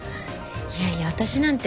いやいや私なんて。